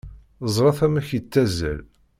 Ẓret amek yettazzal!